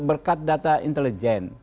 berkat data intelijen